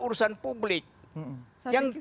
urusan publik yang